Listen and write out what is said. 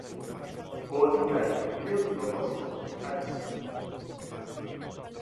O boticario deulle o apósito adhesivo.